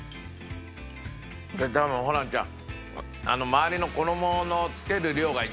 でもホランちゃん。